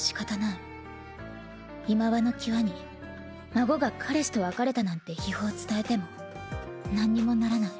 いまわの際に孫が彼氏と別れたなんて悲報伝えてもなんにもならない。